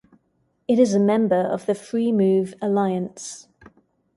It is a member of the FreeMove alliance.